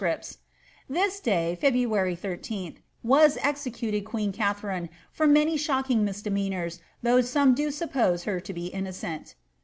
^ This day, February 134 was executed queen Katharine for many shocking misdemeanooiSi thoug^h some do suppose her to be innocent.''